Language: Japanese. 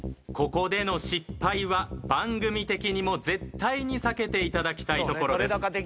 ここでの失敗は番組的にも絶対に避けていただきたいところです。